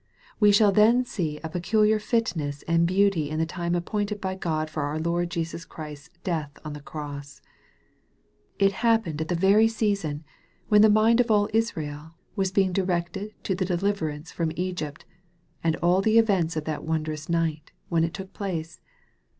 We shall then see a peculiar fitness and beauty in the time appointed by Grod for our Lord Jesus Christ's death on the cross. It happened at the very season when the mind of all Israel was being directed to the deliverance from Egypt, and to the events of that wondrous night, when it took place.